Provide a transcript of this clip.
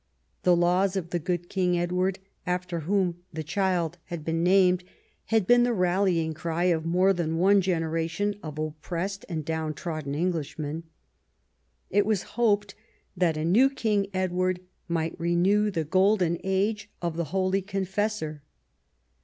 The laws of the good King Edward, after whom the child had been named, had been the rallying cry of more than one generation of oppressed and down trodden Englishmen. It was hoped that a new King Edward might renew the golden age of the holy Confessor.